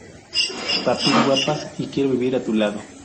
Papis, Guapas" y "Quiero vivir a tu lado".